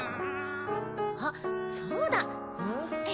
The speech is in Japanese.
あっそうだ！ん？